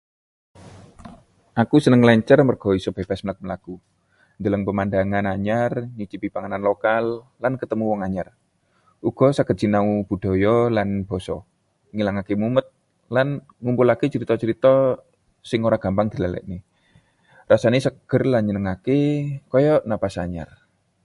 Aku seneng ngelencer merga iso bebas mlaku-mlaku, ndeleng pemandangan anyar, nyicipi panganan lokal, lan ketemu uwong anyar. Uga saged sinau budaya lan basa, ngilangke mumet, lan ngumpulake crita-crita sing ora gampang dilalekke. Rasane seger lan nyenengake, kaya napas anyar.